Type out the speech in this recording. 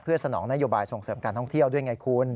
สนองนโยบายส่งเสริมการท่องเที่ยวด้วยไงคุณ